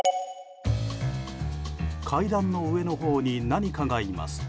階段の上のほうに何かがいます。